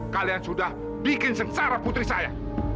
kalian sudah bikin sengsara putri saya